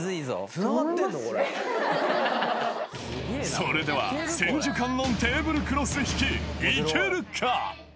それでは千手観音テーブルクロス引き行けるか？